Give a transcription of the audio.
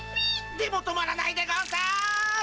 でも止まらないでゴンス。